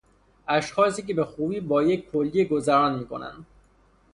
اشخاصی که به خوبی با یک کلیه گذران میکنند